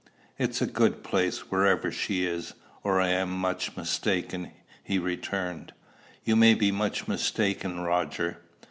"It's a good place, wherever she is, or I am much mistaken," he returned. "You may be much mistaken, Roger."